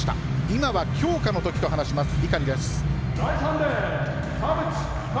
今は強化のときと話します井狩です。